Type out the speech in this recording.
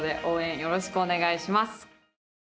よろしくお願いします。